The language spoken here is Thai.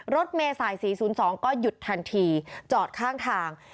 รถเมษาย๔๐๒ก็หยุดทันทีจอดข้างทาง